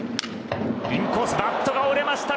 インコースバットが折れました。